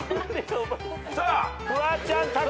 さあフワちゃんタカ。